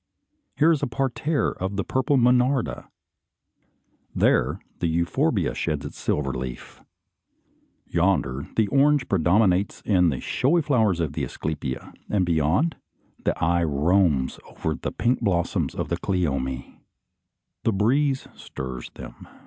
Here is a parterre of the purple monarda, there the euphorbia sheds its silver leaf. Yonder the orange predominates in the showy flowers of the asclepia; and beyond, the eye roams over the pink blossoms of the cleome. The breeze stirs them.